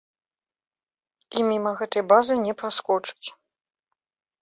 І міма гэтай базы не праскочыць.